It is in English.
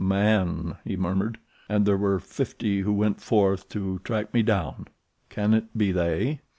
"Man," he murmured. "And there were fifty who went forth to track me down. Can it be they?"